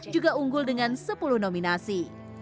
juga unggul dengan sepuluh nominasi